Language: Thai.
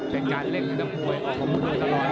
นี่คือยอดมวยแท้รักที่ตรงนี้ครับ